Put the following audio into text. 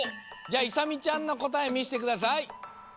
じゃあいさみちゃんのこたえみせてください！